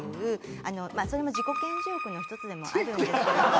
それも自己顕示欲の一つでもあるんですけれども。